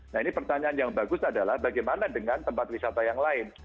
nah ini pertanyaan yang bagus adalah bagaimana dengan tempat wisata yang lain